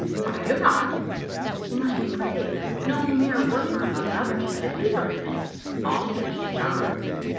" "I do not." " He must be brave, no mere worker among others, but a leader of men." "All ministers are."